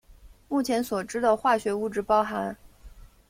目前所知的化学物质包含。